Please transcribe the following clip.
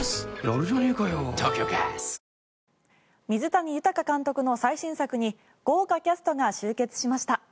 水谷豊監督の最新作に豪華キャストが集結しました。